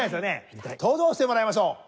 登場してもらいましょう。